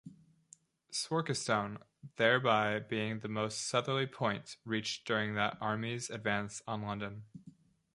Swarkestone thereby being the most southerly point reached during that army's advance on London.